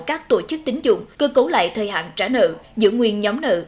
các tổ chức tính dụng cơ cấu lại thời hạn trả nợ giữ nguyên nhóm nợ